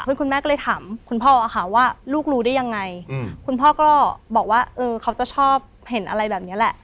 คุณแม่ก็เลยถามคุณพ่อค่ะว่าลูกรู้ได้ยังไงคุณพ่อก็บอกว่าเออเขาจะชอบเห็นอะไรแบบนี้แหละ